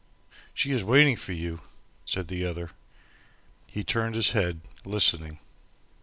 "She is waiting for you," said the other. He turned his head, listening.